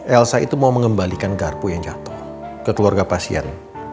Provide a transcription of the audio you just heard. elsa itu mau mengembalikan garpu yang jatuh ke keluarga pasien